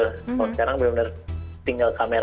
kalau sekarang bener bener tinggal kamera